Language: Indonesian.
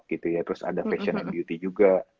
gitu ya terus ada fashion and beauty juga